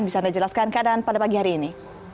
bisa anda jelaskan keadaan pada pagi hari ini